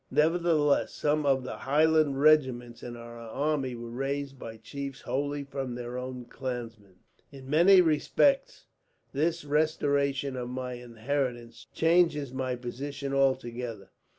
Nevertheless, some of the Highland regiments in our army were raised by chiefs wholly from their own clansmen. "In many respects this restoration of my inheritance changes my position altogether.